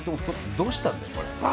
どうしたんだよこれ。わ！